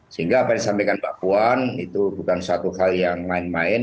sehingga apa yang disampaikan mbak puan itu bukan suatu hal yang main main